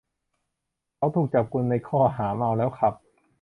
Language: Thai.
เขาถูกจับกุมในข้อหาเมาแล้วขับ